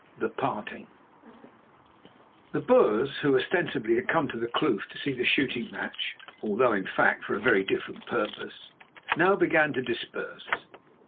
THE PARTING The Boers, who ostensibly had come to the kloof to see the shooting match, although, in fact, for a very different purpose, now began to disperse.